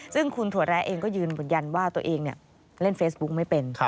ซึ่งคุณถั่วแร้เองก็ยืนยันว่าตัวเองเล่นเฟซบุ๊กไม่เป็น